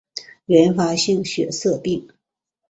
原发性血色病